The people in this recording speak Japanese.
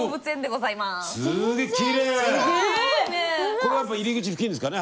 これやっぱ入り口付近ですかね。